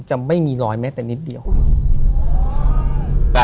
ถูกต้องไหมครับถูกต้องไหมครับ